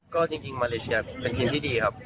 ก็จริงมาเลเซียเป็นทีมที่ดีครับ